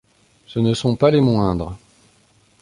Ce ne sont pas les moindres.